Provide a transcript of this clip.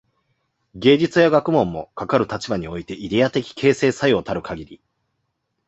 芸術や学問も、かかる立場においてイデヤ的形成作用たるかぎり、